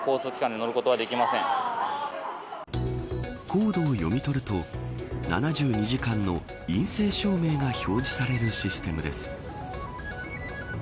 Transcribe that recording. コードを読み取ると７２時間の陰性証明が表示されるシステムです。